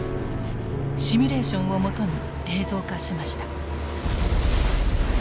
シミュレーションをもとに映像化しました。